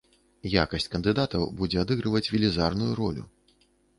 Якасць кандыдатаў будзе адыгрываць велізарную ролю.